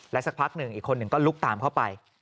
สักพักหนึ่งอีกคนหนึ่งก็ลุกตามเข้าไป